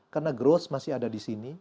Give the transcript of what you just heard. karena growth masih ada di sini